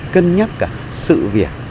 cân nhắc cả sự việc